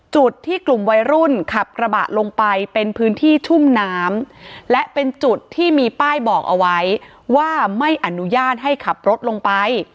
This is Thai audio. จุดที่กลุ่มวัยรุ่นขับกระบะลงไปเป็นพื้นที่ชุ่มน้ำและเป็นจุดที่มีป้ายบอกเอาไว้ว่าไม่อนุญาตให้ขับรถลงไป